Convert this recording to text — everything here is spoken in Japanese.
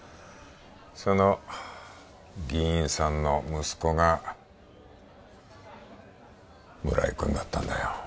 その議員さんの息子が村井君だったんだよ